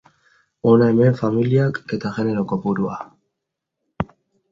Hona hemen familiak eta genero kopurua.